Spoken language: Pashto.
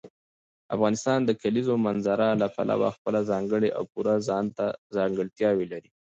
افغانستان د کلیزو منظره له پلوه خپله ځانګړې او پوره ځانته ځانګړتیاوې لري.